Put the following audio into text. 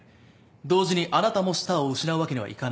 同時にあなたもスターを失うわけにはいかない。